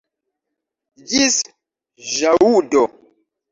Ĝis ĵaŭdo!